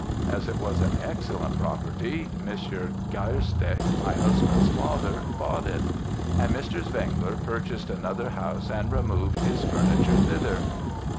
As it was an excellent property, Mr. Geirsteche, my husband's father bought it; and Mr. Zwengler purchased another house and removed his furniture thither.